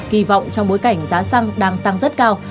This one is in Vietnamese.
kỳ vọng trong bối cảnh giá xăng đang tăng rất cao